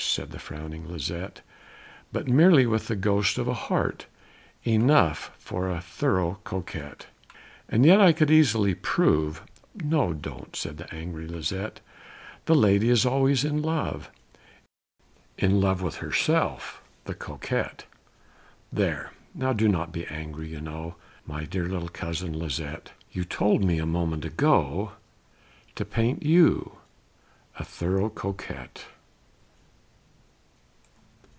said the frowning Lisette), "With merely the ghost of a heart Enough for a thorough Coquette. "And yet I could easily prove" ("Now don't!" said the angry Lisette), "The lady is always in love In love with herself the Coquette! "There do not be angry you know, My dear little cousin Lisette, You told me a moment ago, To paint you a thorough Coquette!"